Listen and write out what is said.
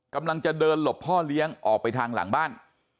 กำลังจะเดินหลบพ่อเลี้ยงออกไปทางหลังบ้าน